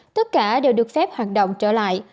tất cả đều được phép hoạt động trở lại